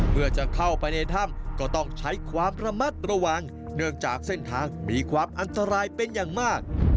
เมื่อจะเข้าไปในถ้ำก็ต้องใช้ความระมัดระวังเนื่องจากเส้นทางมีความอันตรายเป็นอย่างมาก